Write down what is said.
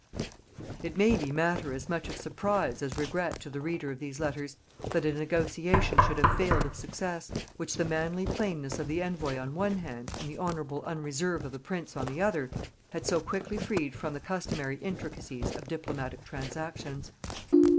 ] It may be matter as much of surprise as regret to the reader of these letters, that a negotiation should have failed of success, which the manly plainness of the envoy on one hand and the honourable unreserve of the prince on the other had so quickly freed from the customary intricacies of diplomatic transactions.